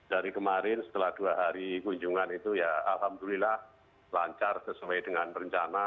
dari kemarin setelah dua hari kunjungan itu ya alhamdulillah lancar sesuai dengan rencana